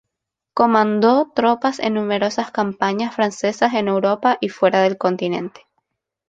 Comandó tropas en numerosas campañas francesas en Europa y fuera del continente.